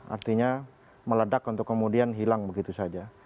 artinya meledak untuk kemudian hilang begitu saja